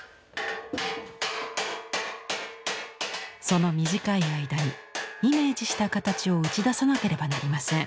その短い間にイメージした形を打ち出さなければなりません。